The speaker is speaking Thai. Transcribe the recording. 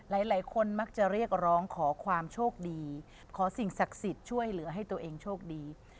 หลายคนมักจะเรียกร้องขอความโชคดีขอสิ่งศักดิ์สิทธิ์ช่วยเหลือให้ตัวเองโชคดี